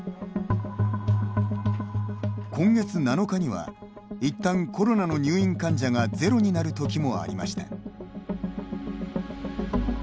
今月７日にはいったんコロナの入院患者がゼロになるときもありました。